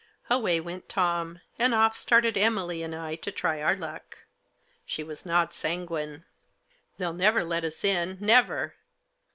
Away went Tom ; and off started Emily and I to try our luck. She was not sanguine, " They'll never let us in, never